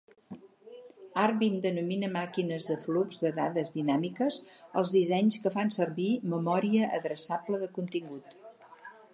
Arvind denomina màquines de flux de dades dinàmiques als dissenys que fan servir memòria adreçable de contingut.